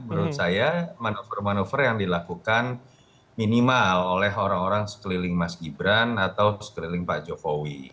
menurut saya manuver manuver yang dilakukan minimal oleh orang orang sekeliling mas gibran atau sekeliling pak jokowi